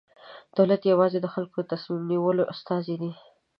دولت یوازې د خلکو د تصمیم نیولو استازی دی.